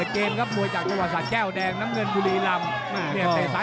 เกมครับมวยจากจังหวัดศาสตร์แก้วแดงน้ำเงินบุรีลำ